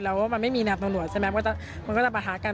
แล้วมันไม่มีในดับหนวดใช่ไหมมันก็จะประท้ากัน